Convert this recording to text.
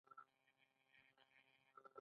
ایا مصنوعي ځیرکتیا د انتقادي فکر تمرین نه کموي؟